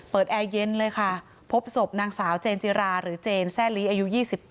แอร์เย็นเลยค่ะพบศพนางสาวเจนจิราหรือเจนแซ่ลีอายุ๒๘